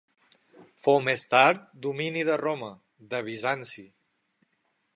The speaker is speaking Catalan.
Fou més tard domini de Roma, de Bizanci.